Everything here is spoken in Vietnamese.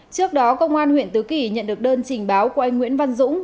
trước đó công an huyện tứ kỳ nhận được đơn trình báo của anh nguyễn văn dũng